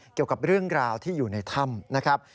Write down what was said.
เกี่ยวกับเรื่องราวที่อยู่ในถ้ำนะครับ